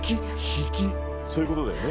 そういうことだよね。